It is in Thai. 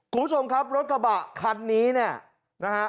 คุณผู้ชมครับรถกระบะคันนี้เนี่ยนะฮะ